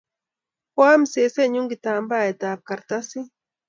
koam sesenyu kitambaet ab kartasit